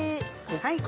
はい。